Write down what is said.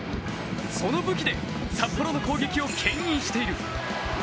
その武器で札幌の攻撃をけん引している。